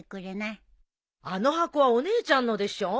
あの箱はお姉ちゃんのでしょ。